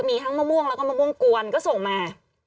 มีทั้งมะม่วงแล้วก็มะม่วงกวนก็ส่งมา